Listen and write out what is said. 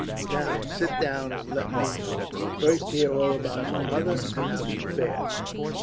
"Now, sit you down, and let me first hear all about your mother, and how she fares."